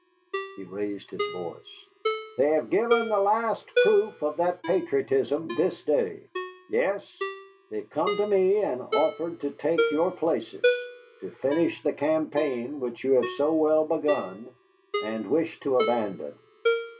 He raised his voice. "They have given the last proof of that patriotism this day. Yes, they have come to me and offered to take your places, to finish the campaign which you have so well begun and wish to abandon.